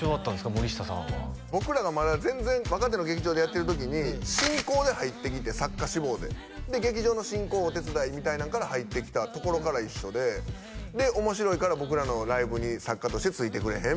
森下さんは僕らがまだ全然若手の劇場でやってる時に進行で入ってきて作家志望でで劇場の進行お手伝いみたいなんから入ってきたところから一緒でで面白いから僕らのライブに作家としてついてくれへん？